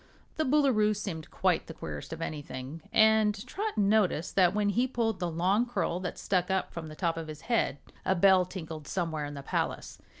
The Boolooroo seemed quite the queerest of anything, and Trot noticed that when he pulled the long curl that stuck up from the top of his head a bell tinkled somewhere in the palace.